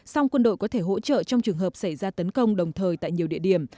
song quân đội có thể hỗ trợ trong trường hợp xảy ra tấn công đồng thời tại nhiều địa điểm